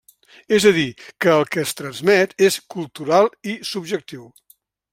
És a dir, que el que es transmet és cultural i subjectiu.